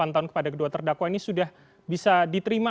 delapan tahun kepada kedua terdakwa ini sudah bisa diterima